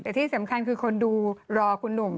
แต่ที่สำคัญคือคนดูรอคุณหนุ่ม